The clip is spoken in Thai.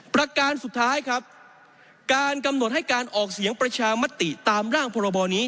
ประการสุดท้ายครับการกำหนดให้การออกเสียงประชามติตามร่างพรบนี้